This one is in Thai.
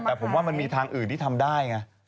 แต่ผมว่ามันมีทางอื่นที่ทำได้ไง